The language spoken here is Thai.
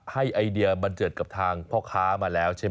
ไอเดียบันเจิดกับทางพ่อค้ามาแล้วใช่ไหม